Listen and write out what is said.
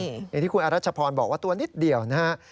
อย่างที่คุณอรัชพรบอกว่าตัวนิดเดียวนะฮะ